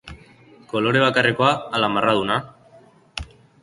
Kolore bakarrekoa ala marraduna?